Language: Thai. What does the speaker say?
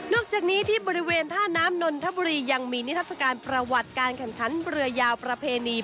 จากนี้ที่บริเวณท่าน้ำนนทบุรียังมีนิทัศกาลประวัติการแข่งขันเรือยาวประเพณี